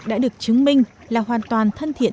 đã được chứng minh là hoàn toàn thân thiện